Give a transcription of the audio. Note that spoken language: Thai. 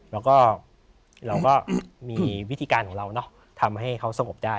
แล้วก็เราก็มีวิธีการของเราทำให้เขาสงบได้